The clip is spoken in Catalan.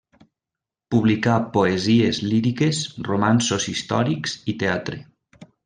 Publicà poesies líriques, romanços històrics, i teatre.